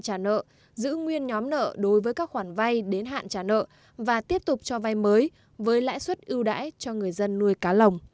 trả nợ giữ nguyên nhóm nợ đối với các khoản vay đến hạn trả nợ và tiếp tục cho vay mới với lãi suất ưu đãi cho người dân nuôi cá lồng